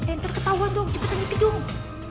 enter ketahuan dong cepetan di gedung